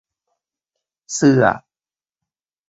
เสื้อ